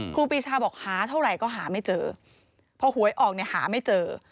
ครูปีชาบอกหาเท่าไหร่ก็หาไม่เจอพอหวยออกเนี่ยหาไม่เจอ